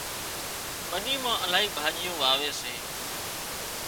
ٻني مان الاهي ڀاڄيون واوي سي